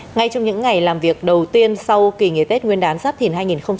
ngay trong những ngày làm việc đầu tiên sau kỳ nghỉ tết nguyên đán giáp thìn hai nghìn hai mươi bốn